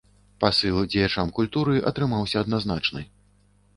Пасыл дзеячам культуры атрымаўся адназначны.